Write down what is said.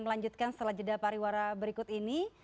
melanjutkan setelah jeda pariwara berikut ini